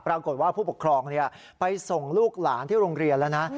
ปรากฏว่าผู้ปกครองไปส่งลูกหลานที่โรงเรียนแล้วนะ